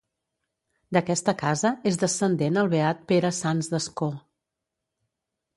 D'aquesta casa és descendent el Beat Pere Sans d'Ascó.